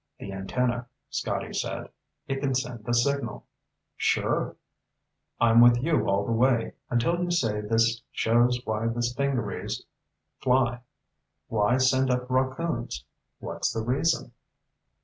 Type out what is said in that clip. "The antenna," Scotty said. "It can send a signal." "Sure." "I'm with you all the way, until you say this shows why the stingarees fly. Why send up rockoons? What's the reason?"